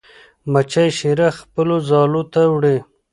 مچۍ شیره خپلو ځالو ته وړي.